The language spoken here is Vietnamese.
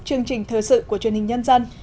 chương trình thờ sự của truyền hình nhân dân